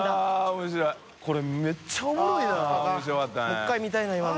もう１回見たいな今の。